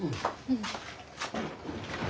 うん。